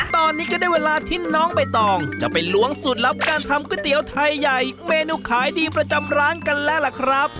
ตอนนี้ก็ได้เวลาที่น้องใบตองจะไปล้วงสูตรลับการทำก๋วยเตี๋ยวไทยใหญ่เมนูขายดีประจำร้านกันแล้วล่ะครับ